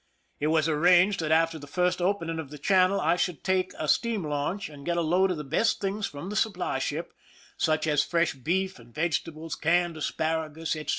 It was arranged that after the first opening of the channel I should take a steam launch and get a load of the best things from the supply ship, such as fresh beef and vege tables, canned asparagus, etc.